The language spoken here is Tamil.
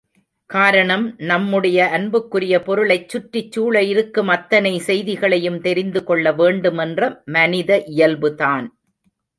காரணம், நம்முடைய அன்புக்குரிய பொருளைச் சுற்றிச் சூழ இருக்கும் அத்தனை செய்திகளையும் தெரிந்து கொள்ள வேண்டுமென்ற மனித இயல்புதான்.